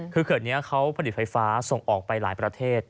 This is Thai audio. คือเขื่อนนี้เขาผลิตไฟฟ้าส่งออกไปหลายประเทศ